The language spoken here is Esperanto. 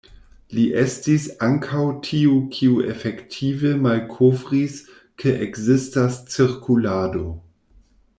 Li estis ankaŭ tiu kiu efektive malkovris ke ekzistas cirkulado.